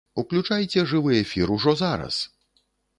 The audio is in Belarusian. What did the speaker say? Уключайце жывы эфір ужо зараз!